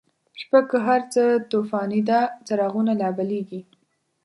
شپه که هرڅه توفانیده، څراغونه لابلیږی